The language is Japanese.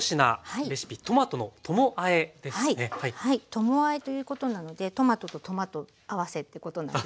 ともあえということなのでトマトとトマト合わせってことなんですよね。